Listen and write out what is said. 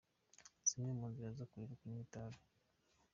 Zimwe mu nzira zo kureka kunywa itabi